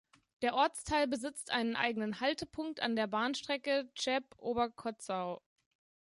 Der Ortsteil besitzt einen eigenen Haltepunkt an der Bahnstrecke Cheb–Oberkotzau.